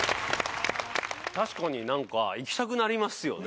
確かになんか行きたくなりますよね